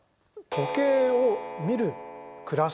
時計を見る暮らし？